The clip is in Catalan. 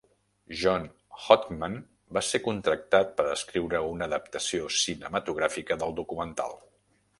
John Hodgman va ser contractat per escriure una adaptació cinematogràfica del documental.